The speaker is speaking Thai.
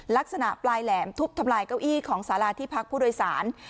ลักษณะปลายแหลมทุบทำลายเก้าอี้ของสาราที่พักผู้โดยสาร